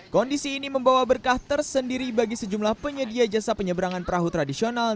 kondisi ini membawa berkah tersendiri bagi sejumlah penyedia jasa penyeberangan perahu tradisional